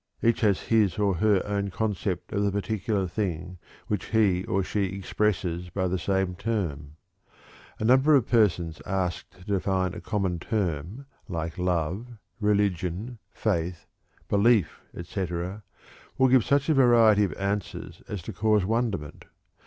Each has his or her own concept of the particular thing which he or she expresses by the same term. A number of persons asked to define a common term like "love," "religion," "faith," "belief," etc., will give such a variety of answers as to cause wonderment.